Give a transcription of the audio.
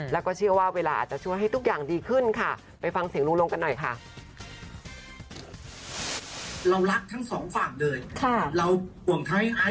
แล้วก็เชื่อว่าเวลาอาจจะช่วยให้ทุกอย่างดีขึ้นค่ะไปฟังเสียงลุงลงกันหน่อยค่ะ